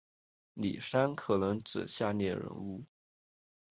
李珊可能指下列人物